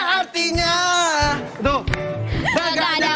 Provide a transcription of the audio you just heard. kalau tiada artinya